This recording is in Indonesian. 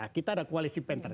kita ada kualisi planter